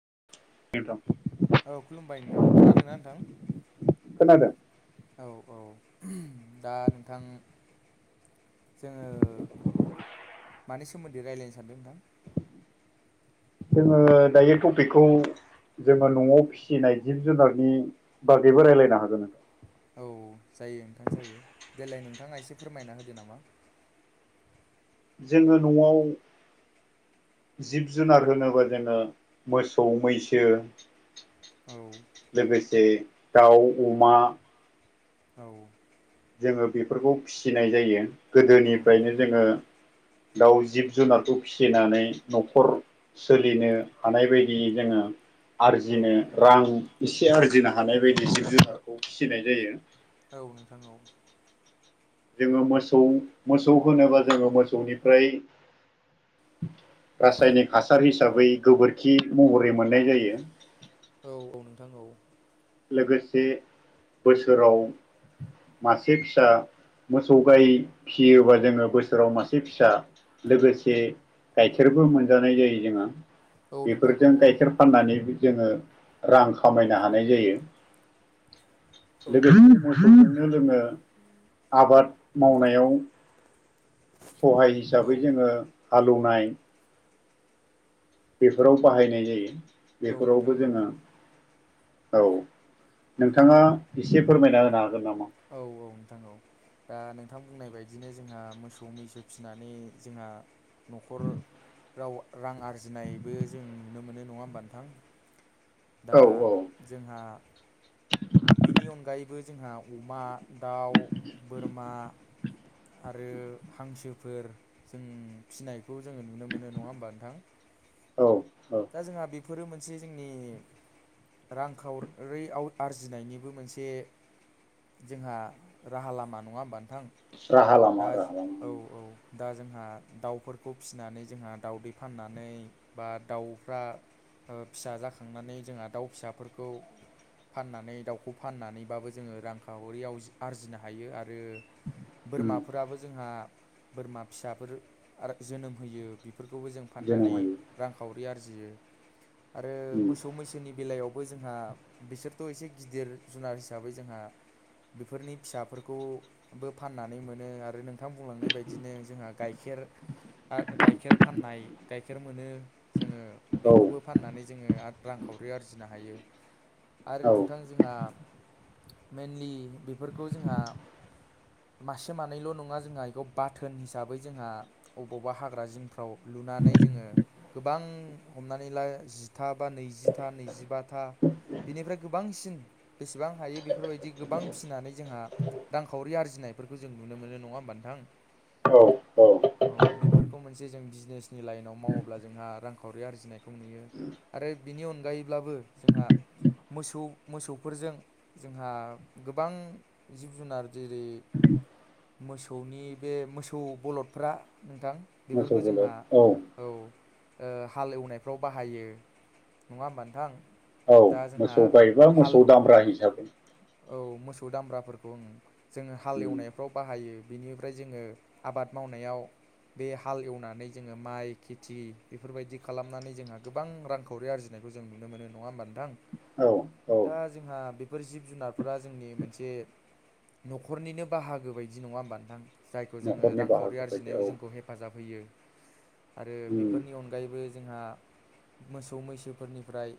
[unintelligible] औ खुलुमबाय नोंथां खोनादोंना नोंथां खोनादों औ औ दा नोंथां जोङो मानि सोमोन्दै रायज्लायनो सानदों नोंथां जोङो दायो टपिकखौ जोङो न'आव फिसिनाय जिब जुनारनि बागैबो रायज्लायनो हागोन नोंथां औ जायो नोंथां जायो देलाय नोंथाङा एसे फोरमायना होदो नामा जोङो न'आव जिब जुनार होनोबा जोङो मोसौ मैसो औ लोगोसे दाउ अमा। औ। जोङो बेफोरखौ फिसिनाय जायो औ नोंथां गोदोनिफ्रायनो औ जोङो। दाउ जिब जुनारखौ फिसिनानै न'खर सोलिनो हानाय बायदियै जोङो। औ आरजिनो रां एसे आरजिनो हानाय बायदि जिब जुनुनारखौ फिसिनाय जायो। औ नोंथां औ। जोङो मोसौ मोसौ होनोबा जोङो मोसौनिफ्राय। रासायनिक हासार हिसाबै गोबोरखि महरै मोननाय जायो। औ औ नोंथां औ। लोगोसे बोसोराव मासे फिसा। मोसौ गाय फिसियोबा जोङो बोसोराव मासे फिसा लोगोसे। गाइखेरबो मोनजानाय जायो जोङहा। औ नोंथां औ बेफोरजों गाइखेर फाननानै जोङो रां खामायनो हानाय जायो। औ लोगोसे मोसौखौनो‌ लोडों। आबाद मावनायाव सहाय औ नोंथां औ हिसाबै जोङो। आलौनाय। बेफोराव बाहायनाय जायो बेफोरावबो जोङो। औ नोंथाङा एसे फोरमायना होनो हागोन नामा। औ औ नोंथां औ। दा नोंथां बुंनाय बायदिनो जोंहा मोसौ मैसो फिनानै जोंहा न'खर। राव रां आरजिनायबो जों नुनो मोनो नङा होमब नथां। दा औ औ जोंहा। बिनि अनगायैबो जोंहा अमा दाउ बोरमा। आरो हांसोफोर जों फिनाय। जों नुनो मोनो नड़ा होमब्ला नोंथां‌ औ औ दा‌ बेखौ जोंहा। बेफोरो मोनसे जोंनि। रांखावरिआव आरजिनायनिबो मोनसे। जोंहा राहा लामा नङा होमबानोथ। राहालामा राह। औ दा जोंहा दाउफोरखौ फिसिनानै जोंहा दाउदै फाननानै बा दाउ। फ्रा फिसा जाखांनानै जोंहा दाउ फिसाफोरखौ। फाननानै दाउखौ फाननानैबाबो जोङो रांखावरि आरजिनो हायो आरो। आरो उम बोरमाफोराबो जोंहा। बोरमा फिसाफोर आरो जोनोम होयो बेफोरखौबो जों जोनोम फाननानै होयो रांखावरि आरजि। जियो‌ आरो उम मोसौ मैसोनि बेलायाव। बो जोंहा बिसोरथ' एसे गिदिर जुनार हिसाबै जोंहा। बेफोरनि फिसाफोरखौबो फाननानै मोनो आरो नोंथां बुंलांनाय बदिनो जोंहा गाइखेर। गाइखेर आरो गाइखेर फाननाय गाइखेर मोनो जोङो। औ बेखौबो फाननानै जोङो रांखावरि आरजिनो हायो। आरो औ नोंथां जोंहा मइेनलि बेफोरखौ जोंहा। मासे मानैल' नङा जोंहा बेखौ बाथोन हिसाबै जोंहा अबावबा हाग्रा जिंफोर। फाव लुनानै जोङो गोबां हमनानै ला जि। था बा नैजथा नैजिबाा बिनिफ्राय गोबांसिन बेसेबां हायो बे। बेफोरबायदि गोबां फिसिनानै जोंहा रांखावरि आरजिनायफोरखौ जों नुनो मोनो नङा होमबा नोंथां। औ औ। बेफोरखौ मोनसे जों बिजनेसनि लाइनाव मावोब्ला जोंहा रां। खावरि आरजिनायखौ नुयो आरो बिनि अनगायैब्लाबो जोंहा। मोसौ मोसौफोरजों जोंहा गोबां जिब जुनार जेरै। मोसौनि बे मोसौ बलदफ्रा। नोंथां मोसौ बेफोरखौ जोंहा बोलद औ। ओ हाल एवनायफ्राव बाहायो नङा होमबा नोंथां औ दा जोंहा मोसौ गायबा हाल मोसौ दामब्रा हिसाबै औ मोसौ दामब्राफोरखौ उम जोङो उम हालेवनायफ्राव बाहायो बिनिफ्राय जोङो आबाद मावनायाव बे हाल एवनानै जोङो माइ खेथि बेफोरबायदि खालामनानै जोंहा गोबां रांखावरि आरजिनायखौ जों नुनो मोनो नङा होमबा नोंथां औ औ दा जोंहा बे फोर जिब -जुनारफोरा जोंनि मोनसे न'खरनिनो बाहागो बायदि नङा होमबा नोंथां जायखौ जोङो न'खरनि रांखावरि बाहागो बायदि आरजिनायाव औ जोंखौ हेफाजाब होयो आरो उम बेफोरनि अनगायैबो जोंहा मोसौ मैसोफोरनिफ्राय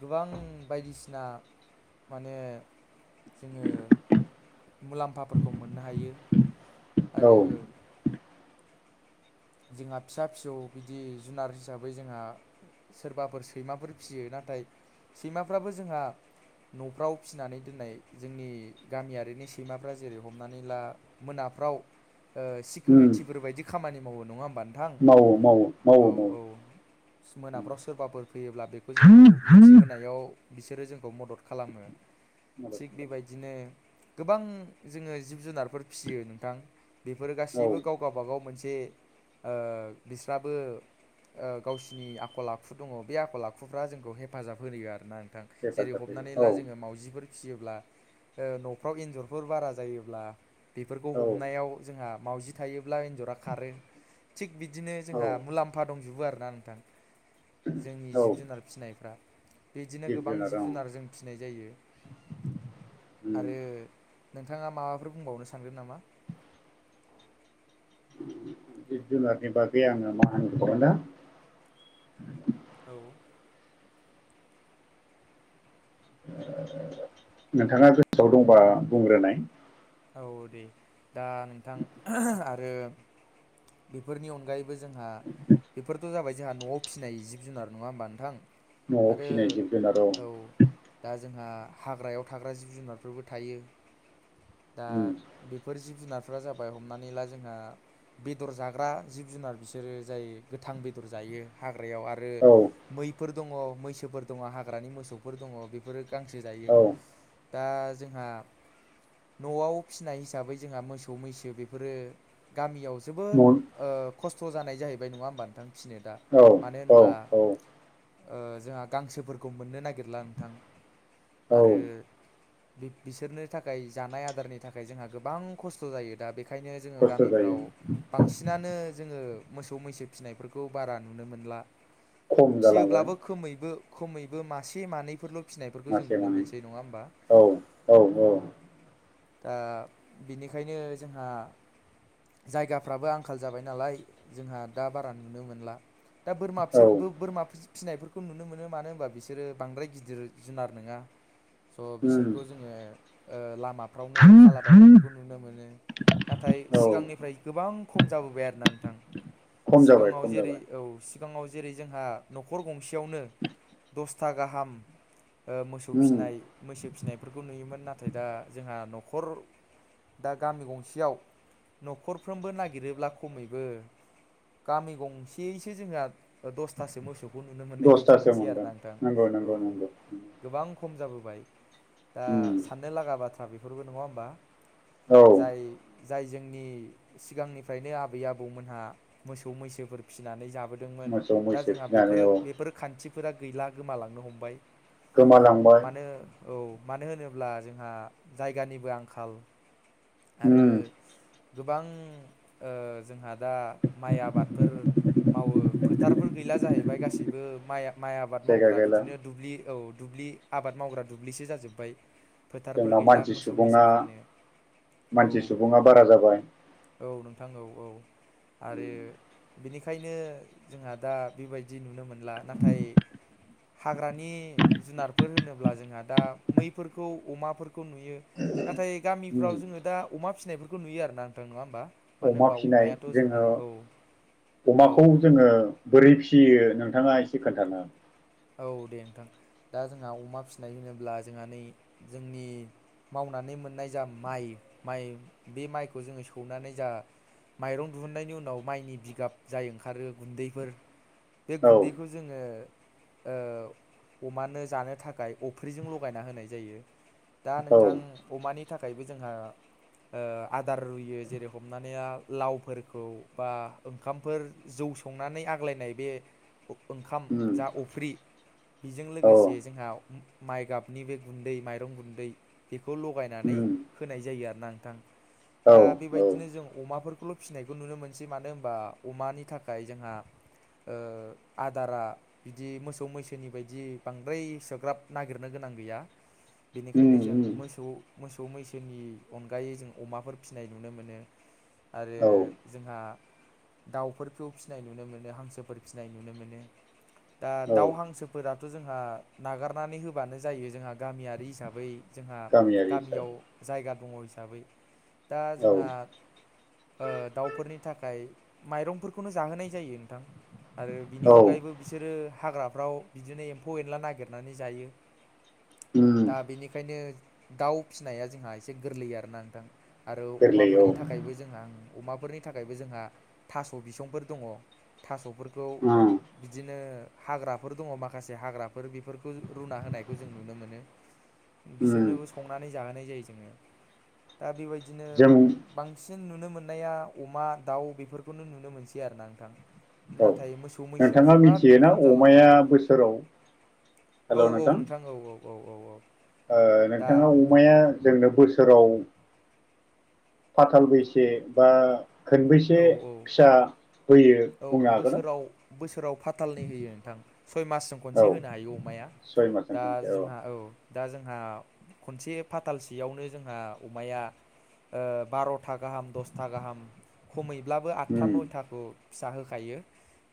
गोबां बायदिसिना माने जोङो मुलाम्फाफोरखौ मोननो हायो औ आरो जोंहा फिसा फिसौ बिदि जुनार हिसाबै जोंहा सोरबाफोर सैमाफोर फिसियो ना थाय सैमाफ्राबो जोंहा न'फ्राव फिसिनानै दोननाय जोंनि गामियारिनि सैमाफ्रा जेरै हमनानै ला मोना फ्राव ओ उम सिकिउरिथिफोर बायदि खामानि मावो नङा होमबा नोंथां? मावो मावो मावो औ मावो औ स उम मोनाफ्राव सोरबाफोर फैयोब्ला बेखौ जोंखौ मिथिहोनायाव बिसोरो जोंखौ मदद खालामो मदद थिग खालामो बेबायदिनो गोबां जोङो जिब जुनारफोर फिसियो नोंथां बेफोरो औ गासैबो गाव गावबागाव मोनस ओ बिस्राबो ओ गावसिनि आखल आखु दङ' बे आखल आखुफ्रा जोंखौ हेफाजाब होयो आरोना थां जेरै हेफाजाब हमनानै होयो ला जोङो औ मावजिफोर फिसियोब्ला ओ न'फ्राव एन्जरफोर बारा जायोब्ला बेफोरखौ औ हमनायाव जोंहा मावजि थायोब्ला एन्जरा खारो थिग बिदिनो औ जोंहा मुलाम्फा दंजोबो आरोना नोंथां जोंनि औ जिब जुनार फिसिनायफ्रा बेदिनो गोबां जिब जुनार जों फिसिनाय जायो उम आरो नोंथाङा माबाफोर बुंबावनो सानगोन नामा? जिब जुनारनि बागै आङो मा होनबावगोन दा [inaudible] नोंथाङा गोसोआव दंबा बुंग्रोनाय औ दे दा नोंथां आरो बेफोरनि अनगायै बो जोंहा बेफोरथ' जाबाय जोंहा न'आव फिसिनाय जिब जुनार नङा होमबा नोंथां? न'आव आरो फिसिनाय जिब जुनार औ दा जोंहा हाग्रायाव थाग्रा जिब जुनारफोरबो थायो दा उम बेफोर जिब जुनार फोरा जाबाय हमनानै ला जोंहा बेदर जाग्रा जिब जुनार बिसोरो जायो गोथां बेदर जायो यो हाग्रायाव आरो औ मैफोर दङ' मैसोफोर दङ' हाग्रानि मोसौफोर दङ' बेफोरो गांसो जायो औ दा जोंहा न'आव फिसिनाय हिसाबै जोंहा मोसौ मैसो बेफोरो गामियाव जोबोद न' ओ खस्थ' जानाय जाहैबाय नङा होमबा नोंथां? फिसिनो दा औ मानो औ होनब्ला औ ओ जोंहा गांसोफोरखौ मोननो नागिरला नोंथां औ आरो बि बिसोरनो थाखाय जानाय आदारनि थाखाय जोंहा गोबां खस्थ' जायो दा बेख खायनो जोङो खस्थ' जायो गामिफ्राव बांसिनानो जोङो मोसौ मैसो फिसिनायफोरखौ बारा नुनो मोनला खम जालांबाय फियोब्लाबो खोमैबो खमैबो मासे मानैफोरल' फिसिनायफोरखौ जों मासे नुनो मानै मोनसै नङा होमबा औ औ दा बिनिखायनो जोंहा जायगाफ्राबो आंखाल जाबाय नालाय जोंहा दा बारा नुनो मोनला दा बोरमा औ बिसोर बो बोरमा फि फिसिनायफोरखौ नुनो मोनो मानो होनबा बिसोरो बांद्राय गिदिर जुनार नोङा स' उम बिसोरखौ जोङो ओ लामा लामाफ्रावनो खालाबायनायफोरखौ नुनो मोनो नाथाय औ सिगांनिफ्राय गोबां खम जाबोबाय आरोना नोंथां खम जाबाय सिगाङाव खम जेरै जाबाय औ सिगाङाव जेरै जोंहा न'खर गंसेयावनो दसथा गाहाम अ मोसौ उम फिनाय मैसो फिसिनायफोरखौ नुयोमोन नाथाय दा जोंहा न'खर दा गामि गंसेयाव न'खरफ्रोमबो नागिरोब्ला खमैबो गामि गंसेसो जोंहा दसथासो मोसौखौ नुनो मोननाय बायदि दसथासो मोनसै आरो मोनगोन ना नोंथां नंगौ औ नंगौ नंगौ गोबां खम जाबोबाय दा ओ उम साननो लागा बाथ्रा बेफोरबो नङा होमबा औ जाय जाय जोंनि सिगांनिफ्रायनो आबै आबौमोनहा मोसौ मैसोफोर फिसिनानै जा बोदोंमोन मोसौ दा मैसो जोंहा बेफोर फिनानै औ बेफोर खान्थिफोरा गैला गोमालांनो हमबाय। गोमालांबाय। मानो औ मानो होनोब्ला जोंहा जायगानिबो आंखाल आरो उम गोबां ओ जोंहा दा माइ आबादफोर मावो फोथारफोर गैला जाहैबाय गासैबो माइ माइ आबाद जायगा मावग्रा गैला बिदिनो दुब्लि औ दुब्लि आबाद मावग्रा दुब्लिसो जाजोब्बाय। फोथारफोर दा गैला मानसि मोसौ मैसो सुबुङा, खानो औ मानसि सुबुङा बारा जाबाय। औ नोंथां औ औ। आरो बेनिखायनो जोंहा दा बेबायदि नुनो मोन ला नाथाय हाग्रानि जुनारफोर होनोब्ला जोंहा दा मैफोरखौ अमाफोर खौ नुयो। नाथाय उम गामिफ्राव जोङो दा अमा फिसिनायफोरखौ नुयो आरोना नोंथां नङा होमबा? मानो अमा होनबा फिनाय अमायाथ' जोंहा जोङो औ। औ अमाखौ जोङो बोरै फियो नोंथाङा एसे खोन्थाना औ दे नोंथां दा जोंहा अमा फिसिनाय होनोब्ला जोंहा नै जोंनि मावनानै मोननाय जा माइ माइ बे माइखौ जोङो सौनानै जा माइरं दिुहुननायनि उनाव माइनि बिगाब जाय ओंखारो गुन्दैफोर बे औ गुन्दैखौ जोङो ओ अमानो जानो थाखाय अफ्रिजों लगायना होनाय जायो। दा औ नोंथां अमानि थाखायबो जोंहा ओ आदार रुयो जेरै हमनानै आ लावफोरखौ बा ओंखामफोर जौ संनानै आग्लायनाय बे ओ-ओंखाम उम जा अफ्रि बेजों औ लोगोसे जोंहा माइ गाबनि बे गुन्दै माइरं गुन्दै बेखौ लगायनानै उम होनाय जायो आरो ना नोंथां। औ दा बेबायदिनो जों अमाफोरखौल' फिसिनायखौ नुनो मोनसै मानो होनबा अमानि थाखाय जोंहा ओ आदारा बि दि मोसौ मैसोनि बायदि बांद्राय इसोग्राब नागिरनो गोनां गैया। उम बेनिखायनो जों उम मोसौ मोसौ मैसोनि अनगायै जों अमाफोर फिसिनाय नुनो मोनो। आरो औ जोंहा दाउफोरखौ फिसिनाय नुनो मोनो, हांसोफोर फिसिनाय नुनो मोनो। दा औ दाउ हांसोफोराथ' जोंहा नागारनानै होबानो जायो जोंहा गामियारि हिसाबै जोंहा गामियारि गामियाव हिसाबै जायगा दङ हिसाबै दा औ जोंहा ओ दाउफोरनि थाखाय माइरंफोरखौनो जाहोनाय जायो नोंथां। आरो बिनि औ अनगायैबो बिसोरो हाग्राफ्राव बिदिनो एम्फौ एनला नागिरनानै जायो। उम दा बेनिखायनो दाउ फिनाया जोंहा एसे गोरलै आरोना नोंथां। आरो गोरलै औ अमाफोरनि थाखायबो जोंहा अमाफोरनि थाखायबो जोंहा थास' बिसंफोर दङ थास'फोर उम। बिदिनो हाग्राफोर दङ माखासे हाग्राफोर बेफोरखौ रुना होनायखौ जों नुनो मोनो। उम बिसोरनोबो संनानै जाहोनाय जायो जोङो। दा बेबायदिनो जों बांसिन सिन नुनो मोननाया अमा दाउ बेफोरखौनो नुनो मोनैसै आरोना नोंथां। औ नाथाय मोसौ मैसोआ नोंथाङा जोबोद मिथियोना खम अमाया जालांबाय बोसोराव औ हेल' औ नोंथां। औ औ औ औ औ ओ दा नोंथाङा अमाया जोंनो बोस सोराव फाथालबैसे बा खोनबैसे औ औ फिसा होयो औ बुंनो हागोन ना? बोसोराव बोसोराव फाथालनै होयो नोंथां सय मासजों खनसे औ होनो हायो अमाया। सय मासजों दा खनसे जोंहा औ। दा जोंहा खनसे फाथालसेयावनो जोंहा अमाया ओ बार'था गाहाम दसथा गाहाम खमैब्लाबो आदथा उम नयथाखौ फिसा होखायो।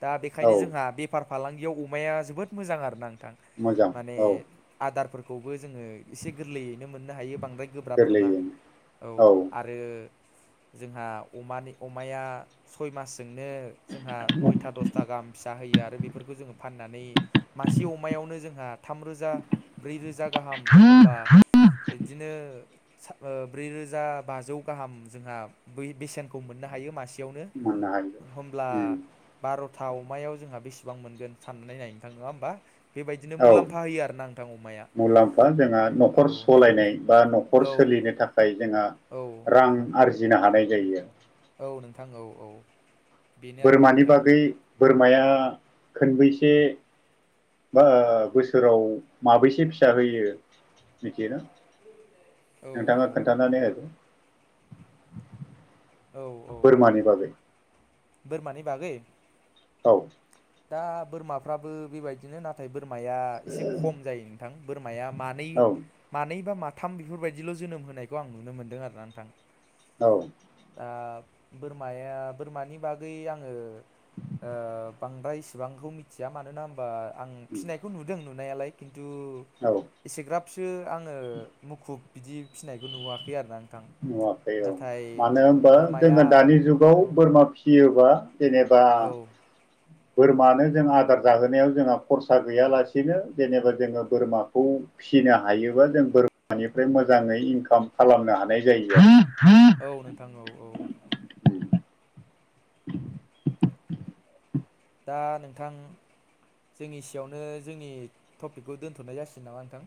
दा औ बेखायनो जोंहा बेफार फालांगियाव अमाया जोबोद मोजां आरोना नोंथां। मोजां माने औ आदारफोरखौबो जोङो एसे गोरलैयैनो मोननो हायो बांद्राय गोब्राब नङा। गोरलैयैनो औ आरो जोंहा अमानि अमाया सय मास जोंनो जोंहा नयथा दसथा गाहाम फिसा होयो आ रो बेफोरखौ जोङो फाननानै मासे अमायावनो जोंहा थामरोजा ब्रै रोजा गाहाम एखमबा इदिनो ब्रै रोजा बाजौ गाहाम जोंहा बै बेसेनखौ मोननो हायो मासे आवनो मोननो हायो एखमब्ला उम बार'था अमायाव जोंहा बेसे बां मोनगोन साननानै नाय नोंथां नङा होमबा? बेबायदिनो औ मुलाम्फा होयो आरोना नोंथां अमाया मुलाम्फा। जोंहा औ न'खर सलायनाय बा न'खर औ सो लिनो थाखाय जोंहा औ रां आरजिनो हानाय जायो। औ नोंथां औ औ। बेनो आरोना बोरमानि नोंथां बागै बोरमाया खोनबैसे बा बोसोराव माबैसे फिसा होयो मिथियोना? औ नोंथाङा औ खोन्थानानै होदो। औ औ बोरमानि बागै। बोरमानि बागै? औ। दा बोरमाफ्राबो बेबायदिनो नाथाय बोरमाया एसे खम जायो नोंथां। बोरमाया मानै औ मानै बा मा थाम बेफोरबायदिल' जोनोम होनायखौ आं नुनो मोन्दों आरोना नोंथां। औ। दा बोरमाया बोरमानि बागै आङो ओ बांद्राय इसिबांखौ मिथिया मानोना होमबा आं फिनायखौ नुदों नुनायालाय खिन थु औ एसेग्राबसो आङो मुखुब बिदि फिनायखौ नुवाखै आरोना नोंथां नुवाखै औ। नाथाय मानो होनबा बोरमाया जोङो दानि जुगाव औ बोरमा फियोबा जेनेबा औ बोरमानो जों आदार जाहोनायाव जोंहा खरसा गैयालासिनो जेनेबा जोङो बोरमाखौ फिसिनो हायो बा जों बोरमानिफ्राय मोजाङै इनकाम खालामनो हानाय जायो। आरो औ नोंथां औ औ। [inaudible] दा नोंथां जों इसियावनो जोंनि टपिकखौ दोन्थ'नाय जासिगोन नामा नोंथां?